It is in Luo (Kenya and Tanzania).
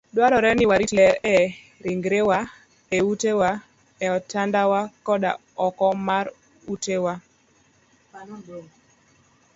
Dwarore ni warit ler e ringrewa, e utewa, e otandawa, koda oko mar utewa.